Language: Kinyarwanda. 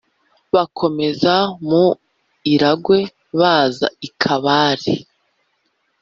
Bakomeza mu Iragwe, baza i Kabare,